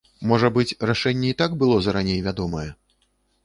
Можа быць, рашэнне і так было зараней вядомае.